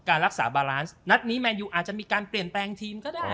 การรักษาบารานซ์นัดนี้แมนยูอาจจะมีการเปลี่ยนแปลงทีมก็ได้